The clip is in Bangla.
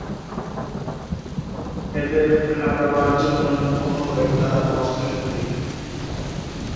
এদের খাটাবার জন্যেই মোহ একটা মস্ত শক্তি।